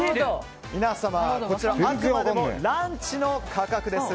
皆様、こちらあくまでもランチの価格です。